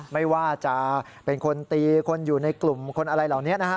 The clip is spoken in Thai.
ไม่ว่าจะเป็นคนตีคนอยู่ในกลุ่มคนอะไรเหล่านี้นะฮะ